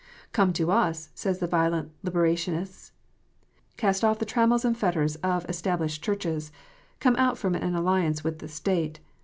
"Come to us," says the violent Libcrationist. "Cast off the trammels and fetters of established Churches. Come out from all alliance with the State.